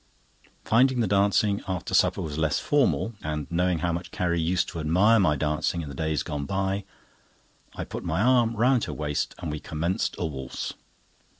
Finding the dancing after supper was less formal, and knowing how much Carrie used to admire my dancing in the days gone by, I put my arm round her waist and we commenced a waltz.